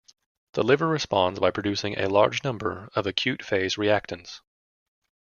The liver responds by producing a large number of acute-phase reactants.